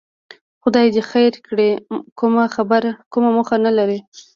خدای دې خیر کړي، کومه موخه لري؟